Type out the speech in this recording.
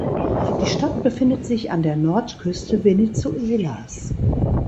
Die Stadt befindet sich an der Nordküste Venezuelas.